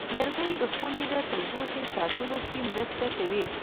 لرګی د خونې تودوخې ساتلو کې مرسته کوي.